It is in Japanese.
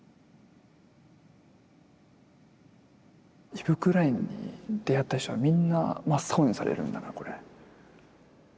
イヴ・クラインに出会った人はみんな真っ青にされるんだなこれ。